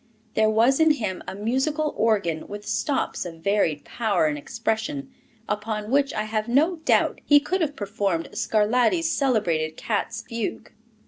There was in him a musical organ with stops of varied power and expression, upon which I have no doubt he could have performed Scarlatti's celebrated cat's fugue.